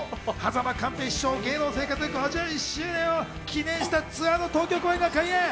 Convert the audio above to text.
間寛平師匠、芸能生活５１周年を記念したツアーの東京公演が開演。